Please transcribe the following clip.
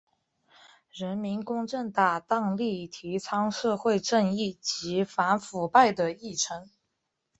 人民公正党大力提倡社会正义及反腐败的议程。